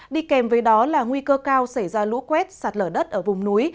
đi kèm với đó là nguy cơ cao xảy ra lũ quét sạt lở đất ở vùng núi